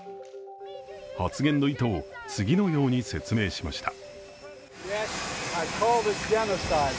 発言の意図を次のように説明しました。